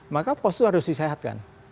maka pos itu harus disehatkan